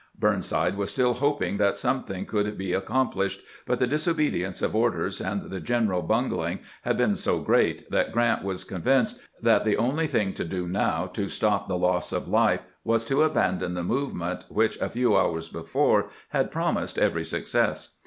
Burnside was still hoping that something could be accomplished; but the disobedience of orders and the general bungling had been so great that G rant was convinced that the only thing to do now to stop the loss of life was to abandon the movement which a few hours before had promised every success.